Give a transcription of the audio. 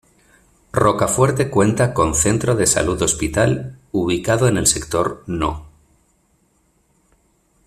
Rocafuerte cuenta con Centro de Salud Hospital, ubicado en el sector No.